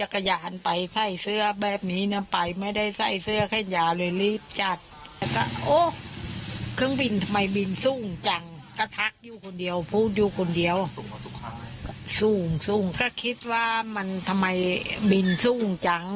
คนเดียวพูดอยู่คนเดียวสูงสูงก็คิดว่ามันทำไมบินสูงจัง